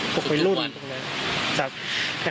ทุกวัน